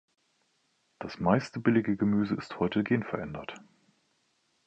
Das meiste billige Gemüse ist heute genverändert.